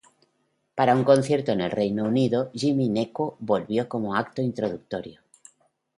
Para los conciertos en el Reino Unido, Jimmy Gnecco volvió como acto introductorio.